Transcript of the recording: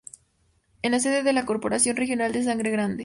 Es la sede de la Corporación Regional de Sangre Grande.